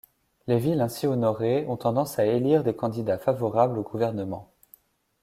Les villes ainsi honorées ont tendance à élire des candidats favorables au gouvernement.